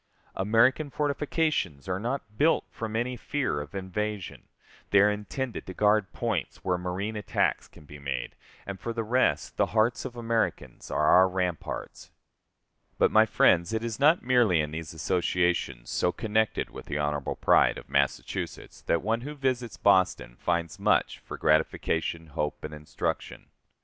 American fortifications are not built from any fear of invasion, they are intended to guard points where marine attacks can be made; and, for the rest, the hearts of Americans are our ramparts. But, my friends, it is not merely in these associations, so connected with the honorable pride of Massachusetts, that one who visits Boston finds much for gratification, hope, and instruction.